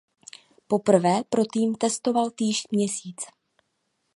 Poprvé pro tým testoval týž měsíc.